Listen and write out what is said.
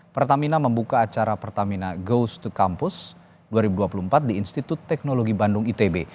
pertamina membuka acara pertamina goes to campus dua ribu dua puluh empat di institut teknologi bandung itb